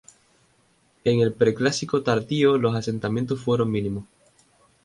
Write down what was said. En el Preclásico Tardío los asentamientos fueron mínimos.